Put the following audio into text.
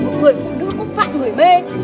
một người phụ nữ cũng phạm người mê